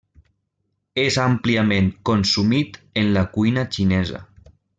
És àmpliament consumit en la cuina xinesa.